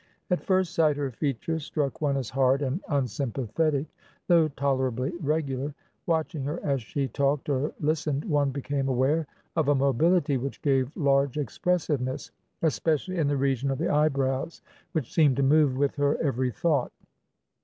At first sight her features struck one as hard and unsympathetic, though tolerably regular; watching her as she talked or listened, one became aware of a mobility which gave large expressiveness, especially in the region of the eyebrows, which seemed to move with her every thought.